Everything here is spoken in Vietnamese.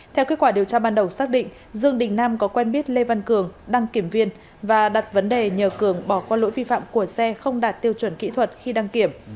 theo kết quả điều tra ban đầu xác định dương đình nam có quen biết lê văn cường đăng kiểm viên và đặt vấn đề nhờ cường bỏ qua lỗi vi phạm của xe không đạt tiêu chuẩn kỹ thuật khi đăng kiểm